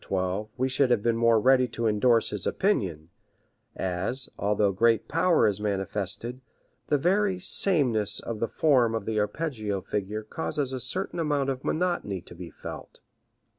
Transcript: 12 we should have been more ready to indorse his opinion, as, although great power is manifested, the very 'sameness' of the form of the arpeggio figure causes a certain amount of monotony to be felt."